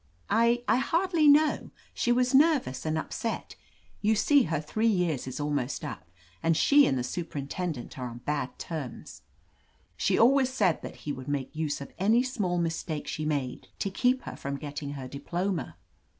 "I — ^I hardly know. She was nervous and upset You see, her three years is almost up, and she and the superintendent are on bad terms. She has always said that he would make use of any small mistake she made, to keep her from getting her diploma."